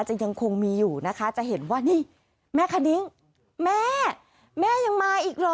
จะยังคงมีอยู่นะคะจะเห็นว่านี่แม่คณิ้งแม่แม่ยังมาอีกเหรอ